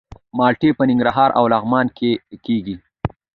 مالټې په ننګرهار او لغمان کې کیږي.